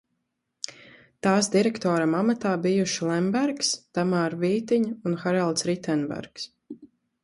Tās direktora amatā bijuši Lembergs, Tamāra Vītiņa un Haralds Ritenbergs.